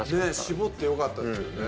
絞ってよかったですよね。